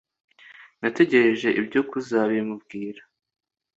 nategereje ibyo kuzabimubwira